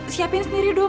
siapin sendiri dong